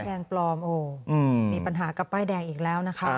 แดงปลอมโอ้มีปัญหากับป้ายแดงอีกแล้วนะคะ